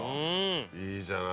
いいじゃない。